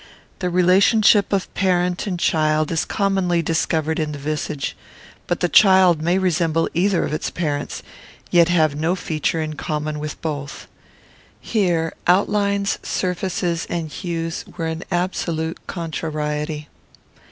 The relationship of parent and child is commonly discovered in the visage; but the child may resemble either of its parents, yet have no feature in common with both. Here outlines, surfaces, and hues were in absolute contrariety.